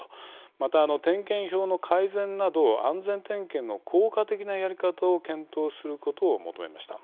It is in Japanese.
また、点検表の改善など安全点検の効果的なやり方を検討することを求めました。